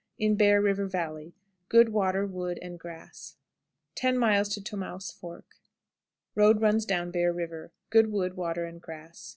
In Bear, River Valley. Good wood, water; and grass. 10. Tomaus' Fork. Road runs down Bear River. Good wood, water, and grass.